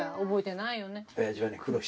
覚えてないよね。